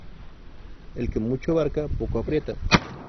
El que mucho abarca poco aprieta.